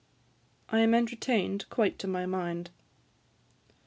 30. I am entertained quite to my mind.'